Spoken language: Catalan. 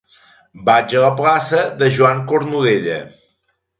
Vaig a la plaça de Joan Cornudella.